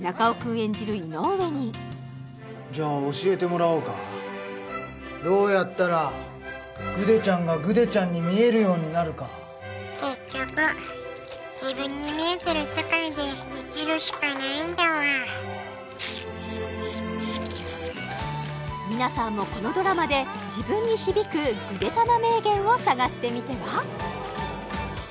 演じる井上にじゃあ教えてもらおうかどうやったらぐでちゃんがぐでちゃんに見えるようになるか結局皆さんもこのドラマで自分に響くぐでたま名言を探してみては？